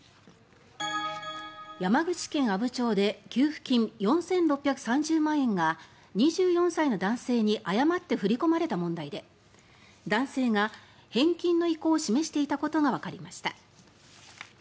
山口県阿武町で給付金４６３０万円が２４歳の男性に誤って振り込まれた問題で男性が返金の意向を示していたことがわかりました。